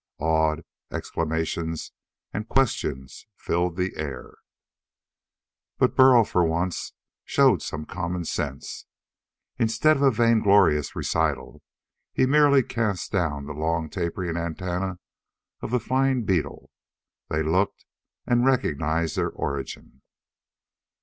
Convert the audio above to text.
Awed exclamations and questions filled the air. But Burl, for once, showed some common sense. Instead of a vainglorious recital, he merely cast down the long tapering antennae of the flying beetle. They looked, and recognized their origin.